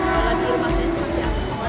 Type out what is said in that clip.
kalau di rumah saya sih masih agak berubah